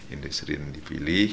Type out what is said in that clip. industri yang dipilih